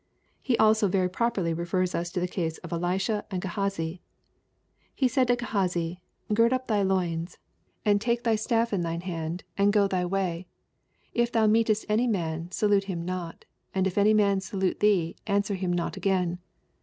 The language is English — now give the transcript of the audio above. He also very properly refers us to the case of Elisha and Gehazi :*' He said to Gehazi, gird up thy loins, and take thy LtJKE^ CHAP. X. 851 Staff in thine hand, and go thy way ; if thou meet any man, salute him not) and if any man salute thee answer him not again."